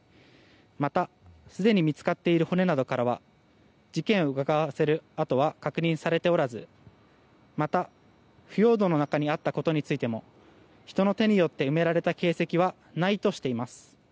また、すでに見つかっている骨などからは事件をうかがわせる跡は確認されておらずまた、腐葉土の中にあったことについても人の手によって埋められた形跡はないとしています。